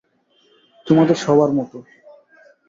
তোমাদের সবার মতো।